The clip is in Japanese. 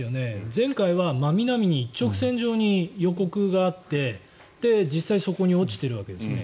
前回は真南に一直線上に予告があって実際にそこに落ちているわけですね。